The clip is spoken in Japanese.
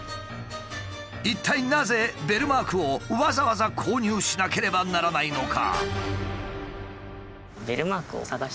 一体なぜベルマークをわざわざ購入しなければならないのか？